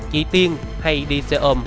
chị tiên hay đi xe ôm